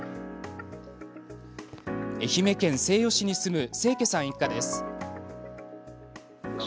愛媛県西予市に住む清家さん一家です。